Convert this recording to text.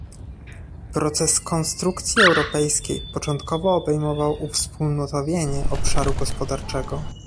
Proces konstrukcji europejskiej początkowo obejmował uwspólnotowienie obszaru gospodarczego